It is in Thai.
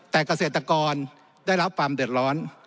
แต่เกษตรกรได้รับความเดือดร้อน